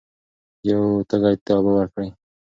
یو تږي ته اوبه ورکړئ.